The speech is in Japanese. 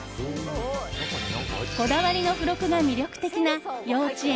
こだわりの付録が魅力的な「幼稚園」